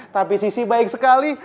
tapi sisi baik sekali